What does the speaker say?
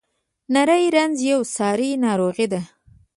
نری رنځ یوه ساري ناروغي ده.